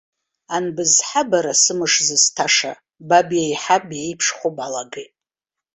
Анбызҳа, бара, сымш зысҭаша, баб еиҳа биеиԥшхо балагеит.